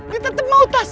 dia tetep mau tas